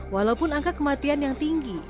walaupun angka kematian yang tinggi